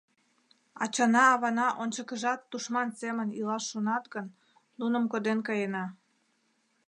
Ачана-авана ончыкыжат тушман семын илаш шонат гын, нуным коден каена.